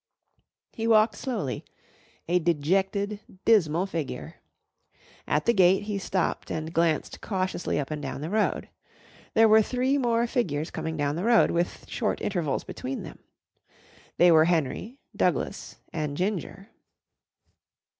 He walked slowly a dejected, dismal figure. At the gate he stopped and glanced cautiously up and down the road. There were three more figures coming down the road, with short intervals between them. They were Henry, Douglas and Ginger.